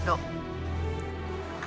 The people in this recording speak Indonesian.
tuh si aduk